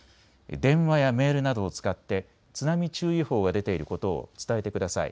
電話やメールなどを使って津波注意報が出ていることを伝えてください。